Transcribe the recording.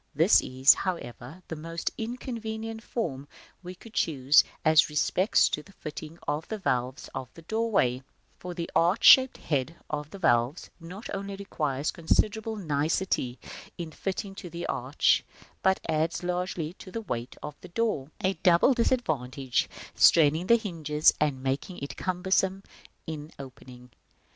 This is, however, the most inconvenient form we could choose, as respects the fitting of the valves of the doorway; for the arch shaped head of the valves not only requires considerable nicety in fitting to the arch, but adds largely to the weight of the door, a double disadvantage, straining the hinges and making it cumbersome in opening.